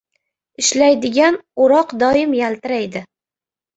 • Ishlaydigan o‘roq doim yaltiraydi.